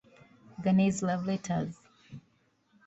Gurney's "Love Letters".